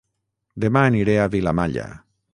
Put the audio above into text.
Dema aniré a Vilamalla